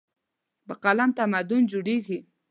په قلم تمدن جوړېږي.